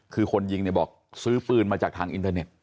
คือคนยิงเนี่ยบอกซื้อปืนมาจากทางอินเทอร์เน็ต